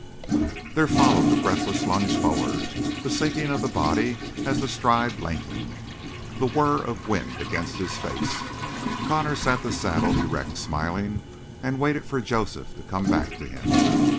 There followed the breathless lunge forward, the sinking of the body as the stride lengthened, the whir of wind against his face; Connor sat the saddle erect, smiling, and waited for Joseph to come back to him.